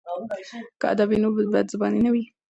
که ادب وي نو بدزباني نه وي.